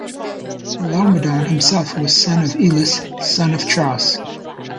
Laomedon himself was son of Ilus, son of Tros.